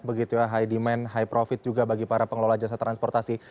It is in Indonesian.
begitu ya high demand high profit juga bagi para pengelola jasa transportasi